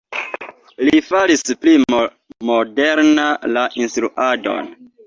Li faris pli moderna la instruadon.